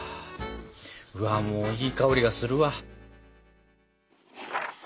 うわもういい香りがするわ。